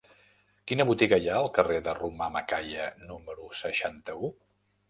Quina botiga hi ha al carrer de Romà Macaya número seixanta-u?